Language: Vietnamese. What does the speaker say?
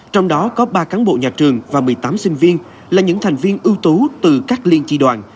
trong đó có ba cán bộ nhà trường và một mươi tám sinh viên là những thành viên ưu tú từ các liên tri đoàn